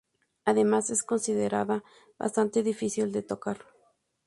Además, es considerada bastante difícil de tocar.